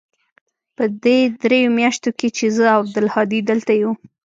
په دې درېو مياشتو کښې چې زه او عبدالهادي دلته يو.